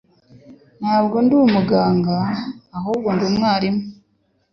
Ntabwo ndi umuganga, ahubwo ndi umwarimu